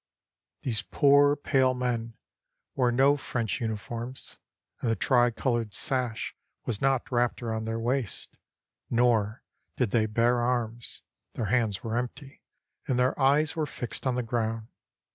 These poor, pale men wore no French uniforms, and the tricolored sash was not wrapped around their waists, nor did they bear arms; their hands were empty, and their eyes were fixed on the ground.